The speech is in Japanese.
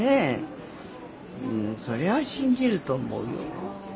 それは信じると思うよ。